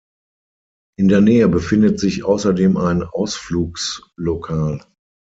In der Nähe befindet sich außerdem ein Ausflugslokal.